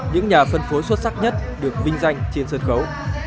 những nhà phân phối xuất sắc nhất được vinh danh trên sân khấu